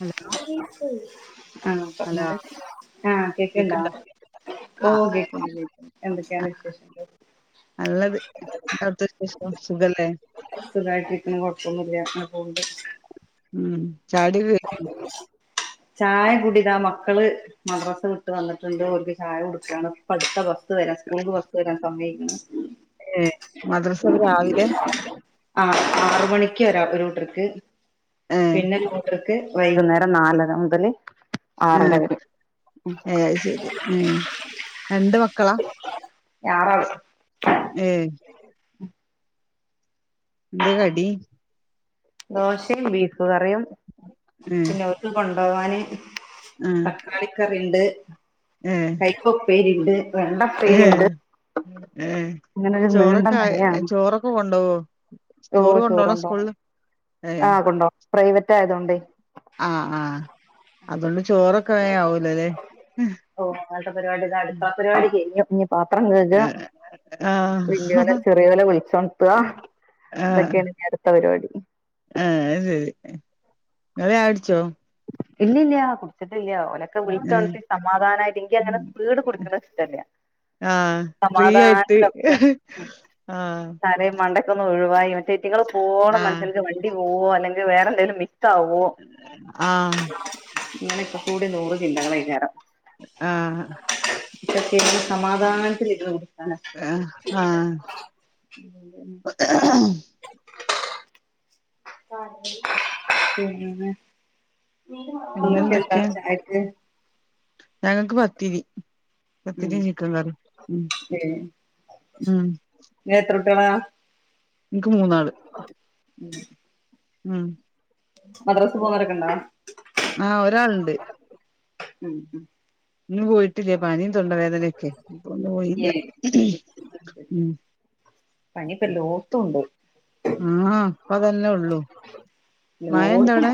Hello [inaudible] ആഹ hello പറഞ്ഞൂട് ആഹ കേക്ണ്ടോ കേക്ക്ണ്ടോ? ഓ ആ കേകൂണ്ട് കേക്കൂണ്ട് ആ ആ, എന്തൊക്കെയാണ് വിശേഷങള് നല്ലത്. എന്താ അവിടുത്തെ വിശേഷം? സുഖല്ലേ? സുഖായിട്ടിരിക്കുണു കൊഴപ്പന്നൂല്യ അങ്ങനെ പോണ്ട് ഉം ചായുടിക്കൊ കഴിഞ്ഞോ [inaudible] ചായ കുടിതാ മക്കള് മദ്രസ വിട്ട് വന്നിട്ട്ണ്ട് ഓര്ക്ക് ചായ കൊട്ക്കാണ് ഇപ്പൊ അടുത്ത വരാം സ്കൂളിക്ക് ബസ് വരാൻ സമയായിക്ക്ണ് ഏ മദ്രസപ്പം രാവിലെ ക്ക രാ ഒരു കൂട്ടർക്ക് ഏ പിന്നെ ഒരു കൂട്ടർക്ക് വൈകുന്നേരം നാലര മുതല് ആറര ആഹ് വരെ ഏ ശരി ഉം രണ്ട് മക്കളാ? യറള് ഏ എന്ത് കടി? ദോശയും ബീഫ് കറിയും പിന്നെ ഒക്ക് കൊണ്ട്പോകാന് മ്‌മം ഇണ്ട് കയ്യിപ്പ് ഒപ്പേരി ഉണ്ട്. ഏ [unintelligible] അങ്ങനെ ഒരു നീണ്ട ചോറൊക്കെ ആ നിരയാണ് ചോറൊക്കെ ഓ കൊണ്ടോവംചോറ് ചോറ് കൊണ്ടോണ കൊണ്ടോണം സ്കൂളില് ഏയ് ആ കൊണ്ടോണം പ്രൈവറ്റ് ആയതോണ്ടേ ആഹ് ആഹ് അതുകൊണ്ട് ചോറൊക്കെ വെഗംആവൂലല്ലേ ഹ്. ഓ അങ്ങനത്തെ പരിപാടി ഇതാ അടുക്കള പരിപാടി കഴിഞ്ഞു ഇനി പാത്രം കഴുക ആ ആ വലിയവ ന്നെചെറിയവന്നെ വിളിച്ച് ഉണത്തുക. ആ ആ അത് അന്നവെഗം അടിച്ചോ. ഇല്ല ഇല്ലില്ല കുടിച്ചത്ത ക്കില്ല ഒനൊക്കെ ഏ വിളിച്ചേണത്തി സമാധാനയിട്ടെങ്കി ഉം അങ്ങനെ സ്പീഡിൽ കുടിക്കണ ഇഷ്ടല്ല. ആഹ് ഫ്രീ ആയിട്ട് സമാധാനത്തിലൊക്കെ ആഹ് സാറെ മണ്ട ഇക്ക് ഒന്ന് ഒഴിവായി മറ്റേറ്റുങ്ങൾ പോണം ആഹ് മനുഷ്യൻ്റെ വണ്ടി പോവോ അല്ലെങ്കിൽ വേറെ എന്തെങ്കിലും വി [unintelligible] ആ നിങ്ങളിപ്പ കൂടി നൂറ് ചിന്തകളഴറം. ആഹ. [inaudible] എനിക്ക് സമാധാനത്തിൽ ഇരുന്ന് കൊടുക്കാനാ ഇഷ്ടം ആഹ് ഉം [unintelligible] നിങ്ങക്ക് പിന്നെന്തൊക്കെ എന്താണ് ചായക്ക്? ഞങ്ങക്ക് പത്തീരി. ഉം പത്തിരിയും ചിക്കൻ കറിയും ഉം ഏഹ് ഉം [unintelligible] എനിക്ക് മൂന്നാള്. [unintelligible] ഉം. മദ്രാസ പോകുന്നവരൊക്കെ ഇണ്ടാ? ആ ഒരാള്ണ്ട് ഉം ഉം ഇന്ന് പോയിട്ടില്ല പനീം തൊണ്ടവേദനൊക്കെ അപ്പോ ഇന്ന് പോയില്ല. ഏഹ് ഉം [inaudible] പനിപ്പല്ലോത്തും ഉണ്ട്. ആഹ് ഇപ്പ അതന്നെ ഉള്ളൂ [inaudible] മഴണ്ടോ അവിടെ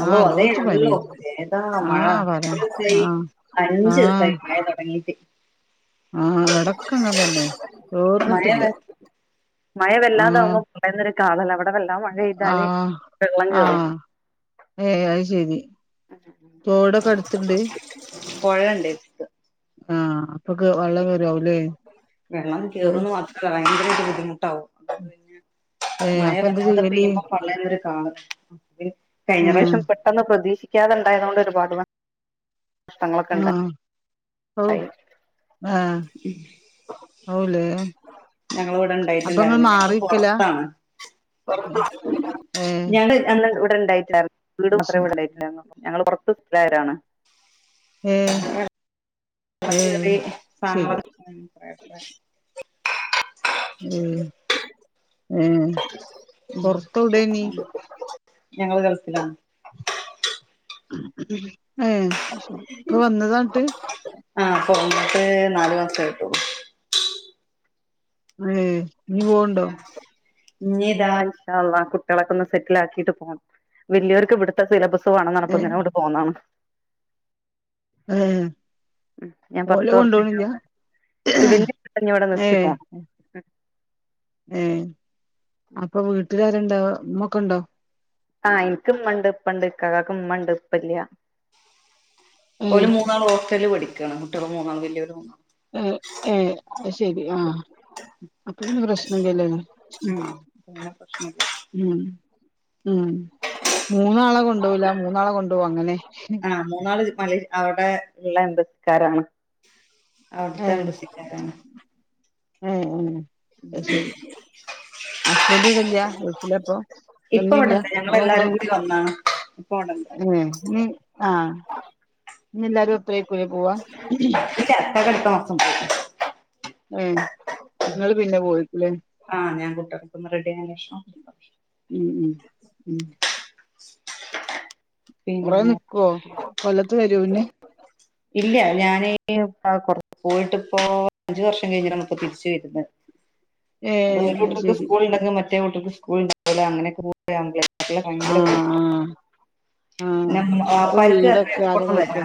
ആഹ് അള്ളോ അതോ, എല്ലോട്ത്തും ഉള്ളൂ പനിയാ ഏതാ മഴ ആഹ് പറ എത്ര ദിവസായി ആഹ് അഞ്ച് ആഹ് ദിവസായി മഴ തുടങ്ങീട്ട്. ആഹ് ഇവടൊക്കെ അങ്ങൻ തന്നെ ചോർന്നിട്ടില്ല മഴയത് മയ വല്ലാതാ ആഹ് ആവുമ്പാ [unintelligible] ഇവിടെല്ലാം മഴെയ്താല് ആഹ് വെള്ളം കേറും. ആഹ് ഏഹ് അത് ശെരി തോടൊക്കെ അടുത്തുണ്ട് [unintelligible] ആ അപ്പൊക്ക് വെള്ളം വരുവല്ലേ ഓ ഭയങ്കര ബുദ്ധിമുട്ടാവും ഏഹ് മഴ അപ്പൊ എന്താ വല്ലാതെ ചെയ്യല് പെയ്യുമ്പോ പളെന്നുര് ആഹ് കഴിഞ്ഞ ആഹ് പ്രാവശ്യം പെട്ടെന്ന് പ്രതീക്ഷിക്കാതെ ഉണ്ടായതുകൊണ്ട് ഒരുപാട് വന്ന് ആഹ് [unintelligible] ആ ഞങ്ങള്‌വടെ അപ്പൊ ഇങ്ങള് ഇണ്ടായിട്ട്ണ്ടായിര്ന്നില്ല ഞങ്ങള് മാറിക്കലാ പൊറത്താണ് [unintelligible] ഏഹ് ഇവിടെണ്ടായിട്ടായില്ല വീട് അത് മാത്രേ ശരി ഇണ്ടായിട്ട്ണ്ടാർന്നൊള്ളൂ ഞങ്ങള് പുറത്ത് [unintelligible] ഏ [unintelligible] ഉം ഉം [unintelligible] ഞങ്ങള് ഗൾഫിലാണ് ഏ അയിശരി ഇപ്പൊ വന്നതാന്ന്ട്ട് ആ ഇപ്പ വന്ന്ട്ട് നാലു മാസായിട്ടോള്ളു ഏ ഇഞ് പോവ്ണ്ടോ ഇഞ്ഞ് ഇതാ ഇൻശാല്ലാഹ്‌ കുട്ടികളൊക്കെന്ന് സെറ്റിൽ ആക്കിട്ട് പോണം വലിയർക്ക് ഇവിടുത്തെ സിലബസ് വേണന്നറഞ്ഞപ്പോ ഏഹ് ഇങ്ങനങ്ങട് പോന്നാണ് ഏ ഞാൻ പത്ത് വർഷായി അവടെ [unintelligible] ഇവിടെ നിർത്തി പോണം ഏ അപ്പൊ വീട്ടിലാരാണ്ടാവാ ഇമ്മൊക്കെ ഇണ്ടോ ആ ഇൻക്ക് ഇമ്മണ്ട് ഇപ്പണ്ട് ഇക്കാകാക്ക് ഇമ്മണ്ട് ഇപ്പല്ല്യ ഏഹ് ഓല് മൂന്നാളും ഹോസ്റ്റലില് പഠിക്കാണ് കുട്ടിള് മൂന്നാളും വല്ല്യൊര് മൂന്നാളും ഏ ഏ അയ്ശെരി ആ അപ്പൊ പിന്നെ പ്രശ്നല്ല്യല്ലലേ [unintelligible] ഉം ഉം മൂന്നാളെ കൊണ്ടോവുല്ല മൂന്നാളെ കൊണ്ടോവും അങ്ങനെ ആഹ് മൂന്നാള് മല അവിടെ ഇള്ള എംബസിക്കാരാണ് ഏ അവിടുത്തെ എംബസിക്കാരാണ് ഏ ഏ [unintelligible] ഹസ്ബന്റ് ഇവടെല്ല ഗൾഫിലപ്പൊ [inaudible] ഇപ്പ ഇവിടെണ്ട് ഞങ്ങള് എല്ലാരും കൂടി വന്നാണ് ഇപ്പ ഇവിടെണ്ട് [inaudible] ഏ ഇനി എല്ലാരും ഒപ്പായിരിക്കും അല്ലേ പോവാ ഇല്ല അടുത്ത മാസം പോവും ഏ നിങ്ങള് പിന്നെ പോയിട്ടില്ലേ ആ ഞാൻ കുട്ടികൾക്കൊന്ന് റെഡിയായേന് ശേഷം ഉം ഉം ഉം [inaudible] കൊറെ പിന്നെ നിക്കോ കൊല്ലത്ത് വരോ പിന്നെ ഇല്ല ഞാന് കൊറ പോയിട്ടിപ്പോ അഞ്ച് വർഷം കഴിഞ്ഞാണ് ഇപ്പൊ തിരിച്ചു വരുന്നേ ഏ ഒരു അത് കൂട്ടർക്ക് ശരി സ്കൂൾ ഉണ്ടെങ്കില് മറ്റേ കൂട്ടർക്ക് സ്കൂൾ ഉണ്ടാവില്ല അങ്ങനെയൊക്കെ പോയാ ഭയങ്കര ആഹ് ബുദ്ധിമുട്ട ആഹ് [unintelligible] ആഹ് അപ്പൊ വീടൊക്കെ ആരാ വരാ നോക്ക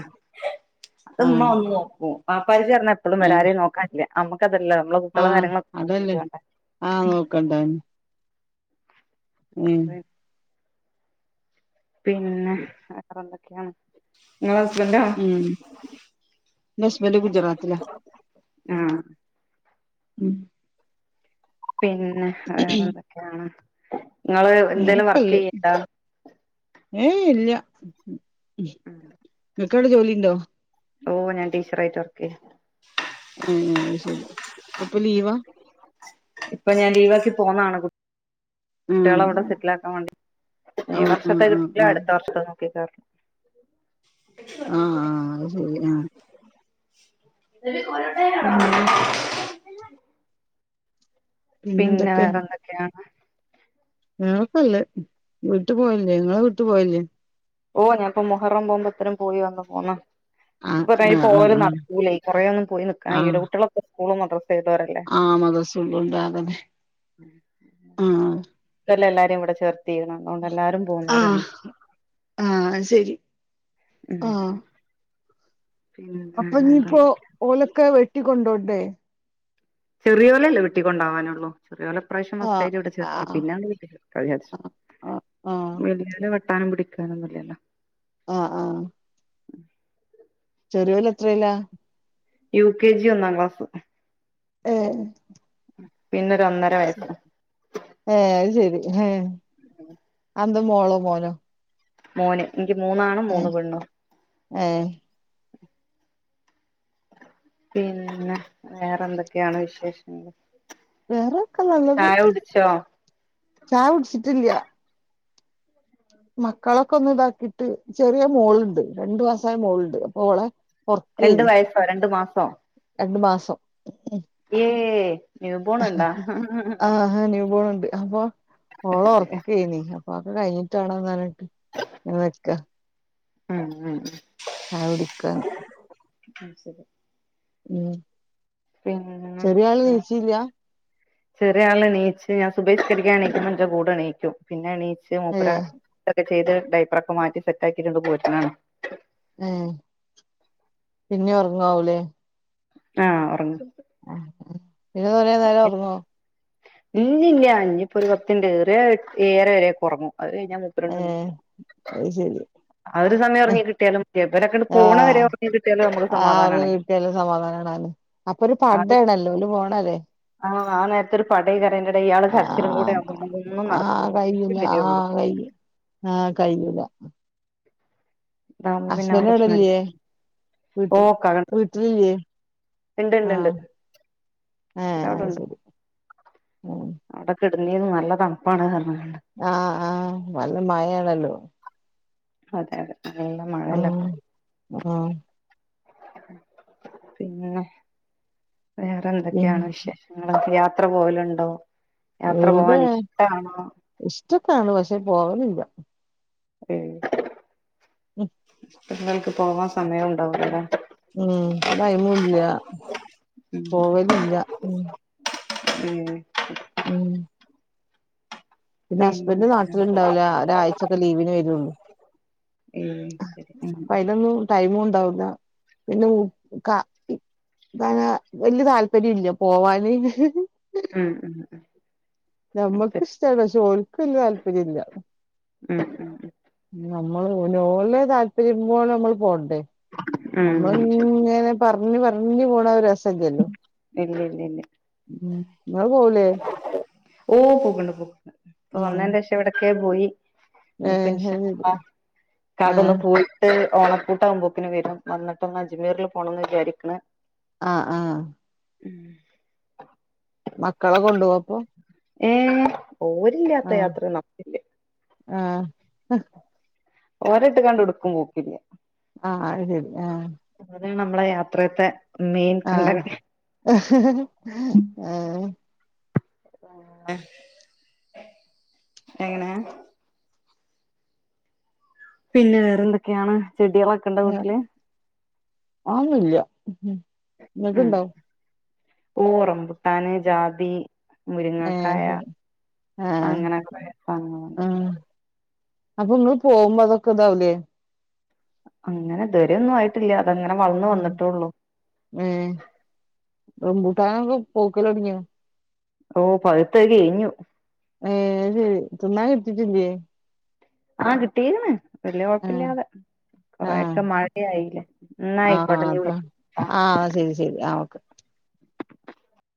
അത് ഉമ്മ ആഹ് ഒന്ന് നോക്കും എപ്പോളും ഏ വരാരേ നോക്കാനില്ല നമുക്കതല്ല നമ്മെ കുട്ടികള കാര്യങ്ങളൊക്ക നോക്കിട്ട് വേണ്ടേ ആ നോക്കണ്ടെ [unintelligible] പിന്നെ വേറെന്തൊക്കെയാണ് നിങ്ങളെ ഹസ്ബന്റോ ഉം നസ്മല് ഗുജറാത്തില ആ ഉം പിന്നെ വേറെന്തൊക്കെയാണ് നിങ്ങള് എന്തേലും വേറെക്കല്ലേ വർക്ക്ചെയ്യന്ണ്ടാ ഏയ് ഇല്ല ഉം ക്കവിടെ ജോലി ഇണ്ടോ ഓ ഞാൻ ടീച്ചറായിട്ട് വർക്കെയ്യ ആ അയ്ശെരി ഇപ്പൊ പ്പൊ ലീവാ ഇപ്പൊ ഞാൻ ലീവാക്കി പോന്നാണ് കുട്ട് ആഹ് കുട്ടികള് അവിടെ സെറ്റിലാക്കാൻ വേണ്ടി ഈ ആഹ് വർഷത്തെ ആഹ് ആഹ് കിട്ടില്ല അടുത്ത ആഹ് വർഷം [unintelligible] ആ ആ അത്ശെരി ആ [unintelligible] പിന്നെ വേറെ എന്തൊക്കെയാണ് ഞങ്ങക്കല്ലേ വീട്ട് പോവലില്ലേ ങ്ങളെ വീട്ടു പോവലില്ലേ ഓ ഞാപ്പോ മുഹറം നോമ്പ് ത്തരം പോയിവന്നു പോന്ന് ആഹ് ഇപ്പൊത് ആഹ് ആഹ് പോവല് ആഹ് നടക്കൂലേ കൊറേ ഒന്നുംപോയിനിക്കാൻ കയ്യൂല കുട്ടികളൊക്കെ സ്കൂളും മദ്രസേം ആ മദ്രസയുള്ളോണ്ട് ആതന്നെ ആ ഇക്കൊല്ലം എല്ലാരേം ഇവിടെ ചേർത്തിരുന്നു അതുകൊണ്ട് എല്ലാരും പോകുന്നവരാണ് ആ ശെരി ഉം ആ പിന്നെ അപ്പൊ നീയിപ്പോ വേറെന്തൊക്കെയ ഓലൊക്കെ വെട്ടിക്കൊണ്ടോണ്ടേ? ചെറിയ ഓലല്ലേ വീട്ടിക്കൊണ്ടാവാനൊള്ളു ഒരാള് ഇപ്രാവശ്യം ആഹ് മസ്റ്റായിട്ട് ഇവിടെചേർത്തി ആഹ് പിന്നെ ആ ആ [unintelligible] ആക്കാനും പിടിക്കാനൊന്നുല്ലല്ലോ ആ ആ ചെറിയോല് എത്രേലാ യു കെ ജി ഒന്നാം ക്ലാസ്സ് ഏ പിന്നെ ഒരു ഒന്നര വയസ്സ് ഏ അയ്ശെരി ഏ [unintelligible] അതെന്താ മോളോ മോനോ മോന് എനിക്ക് മൂന്നാണും ഏ മൂന്നു പെണ്ണും ഏ പിന്നെ വേറെ എന്തൊക്കെയാണ് വിശേഷങ്ങള് വേറൊക്കെ നല്ലത് ചായ കുടിച്ചോ ചായ കുടിച്ചിട്ടില്ല മക്കളൊക്കെ ഒന്നിതാക്കിട്ട് ചെറിയ മോളുണ്ട് രണ്ടു മാസായ മോളുണ്ട് അപ്പൊ ഓളെ രണ്ട് ഒറക്കഴിഞ്ഞ് വയസ്സോ രണ്ട് മാസോ രണ്ടുമാസം ഏ ന്യൂ ബോൺ ഉണ്ടാ ആ ന്യൂ ബോണുണ്ട് അപ്പൊ ഓള് ഒറക്കേനി ഉപ്പാക്ക് കയിഞ്ഞിട്ടാണോന്നറിഞ്ഞിട്ട് ഇങ്ങനെ നിക്കാ ഉം ഉം ചായകുടിക്കാൻ ആ ശരി ഉം ചെറിയാളെണീച്ചില്ലാ ചെറിയാളെണീച്ച് ഞാൻ സുബഹി നിസ്കരിക്കാൻ എണീക്കുമ്പോ എന്റെ കൂടെ എണീക്കും പിന്നെ എണീച്ച് ഇ ഏ മൂപ്പര് ഇതൊക്കെ ചെയ്ത് ഡൈപ്പറൊക്കെ മാറ്റി സെറ്റാക്കിയിട്ടുണ്ട് പോരണാണ് ആ പിന്നെ ഉറങ്ങാവൂലേ ആ ഒറങ്ങ് ആ ചെറുത് കൊറേനേരം ഒറങ്ങോ ഇല്ല ഇല്ല ഇഞ്ഞിപ്പോ ഒരുപത്തു മിനിറ്റ് ഏറിയ ഏഴരവരെയൊക്കെ ഒറങ്ങും അത് കഴിഞ്ഞാ മുപ്പര് ഏ എണീക്കും അത് ശരി അത് ഒരു സമയം ഉറങ്ങി കിട്ടിയാലും ഇവരൊക്കെ പോണ വരെ ആഹ് ഉറങ്ങി കിട്ടിയാലും നമുക്ക് ആറ് സമാധാനാണ്. കിട്ടിയാലും സമാധാനാണ് അപ്പൊ ഒരു ആ പടആണല്ലോല് ഓല് പോണല്ലേ. ആഹ് ആ നേരത്ത് ആ രുപടകഇയാൾ കരച്ചിലും കൂടെ ആഹ് ആവതൊന്നും ആഹ് നടക്കൂല്ല അതിനശേ കയ്യൂല വരയുള്ളൂ ആഹ് കയ്യും ആഹ് കൈയുല്ല. ഇതാവുമ്പോ പിന്നെ ആ അസ്ബൻന്റ് പ്രശ്നല്ല ഇവിടല്ലയേ? ഓ വീട്ടിൽ കണ്ട് വീട്ടിലില്ലേ ഇണ്ട് ഇണ്ട് ആഹ ഇണ്ട് ആഹ അത് ഒരാളുണ്ട് ശരി. ആഹ് അവിടെ കെടുന്നീന്ന് നല്ല തണുപ്പാണ് പറഞ്ഞാണ്ട്. ആഹ ആഹ് നല്ല മഴയാണല്ലോ? അതെ ആഹ് ആഹ് പിന്നെ വേറെ പിന്നെ എന്തൊക്കെയാണ് വിശേഷങ്ങളൊക്കെ യാത്ര പോലുണ്ടോ? എവിടെ ഇഷ്ടക്കാണ് പക്ഷെ പോവാലില്ല. ഏ ഉം ഞങ്ങൾക്ക് പോവാം ഉം ടൈംഇല്ല പോവലില്ല ഉം ഉം പിന്നെ ഹസ്ബൻഡ് നാട്ടിലുണ്ടാവില്ല ഒരാഴ്ചൊക്കെ ലീവിന് വരുള്ളു. ഏ ശരി ഓ പിന്നെ ഇക്ക അ വലിയ താല്പര്യം ഇല്ല പോവാന്. ഉം ഉം നമ്മക്ക് ശരി ഇഷ്ട്ടാണ് പക്ഷെ ഓൽക്ക് വല്യ യതാല്പര്യില്ല. ഉം ഉം നമ്മള് ഓലെ താല്പര്യം പോലെ നമ്മള് പോണ്ടേ, ഉം ഉം ശരി നമ്മളങ്ങനെ പറഞ്ഞ്പറഞ്ഞ്പോണൊരു രസല്ലല്ലോ ഇല്ല ഇല്ല ഇല്ല ഉം ഇങ്ങള് പോവൂലേ ഓ പോക്ണ്ട് പോക്ണ്ട് പ്പൊ ഉം വന്നേന്റെ ക്ഷം എവിടൊക്കെ പോയി ഏ ഇപ്പ അത് ഇൻഷാ ശരി അള്ളാ ആ ഇക്കക്കൊന്ന് പോയിട്ട് ഓണപ്പൂട്ടകുമ്പോക്കിന് വരും വന്നിട്ടൊന്ന് അജ്മീറിൽ പോണന്ന് വിചാരിക്ക്ണ് ആആ ഉം മക്കളെ കൊണ്ടു പോവാപ്പോ ഏ ഓരില്ലാത്ത യാത്ര നമുക്കില്ല ആ ഓരട്ട് കാണ്ട് എവ്ട്ക്കും പോക്കില്ല ആ അത് ശരി ആ അത് നമ്മളെ യാത്രയത്തെ ആ ആ ആ ആ എങ്ങനെ പിന്നെ വേറെന്തൊക്കെയാണ് ചെടികളൊക്കെണ്ട വീട്ടിൽ ഉം നിങ്ങൾക്ക്ണ്ടോ? ഓ റമ്പുട്ടാന് ജാതി മുരുങ്ങക്കായ ഏ ആഹ് അങ്ങനെക്കെ സധങ്ങളുണ്ട്. ആഹ് അപ്പൊ ഇങ്ങൾ പോകുമ്പോ അതൊക്കെ ഇതാവൂലേ അങ്ങനെ ഇതുവരൊന്നും ആയിട്ടില്ല അതങ്ങനെ വളർന്ന് വന്നിട്ടൊള്ളു. റമ്പൂട്ടാൻ പൂക്കലോടിങ്ങയോ? ഓ പകുത്ത ക്കഴഞ്ഞു. ഏ ശരി തിന്നാകിട്ടീട്ടില്ലയേ? ആ കിട്ടിയക്ക്ണ് വല്യയ ആഹ് കൊഴപ്പല്ലാതെ ആഹ് കൊറെയൊക്കെ മഴയായില്ലേ ആഹ് ന്നായിക്കോട്ടെ ഞ്ഞി അതാ വിളിക്കാട്ടൊ ആഹ് ശരി ശരി ആഹ് ഓക്കെ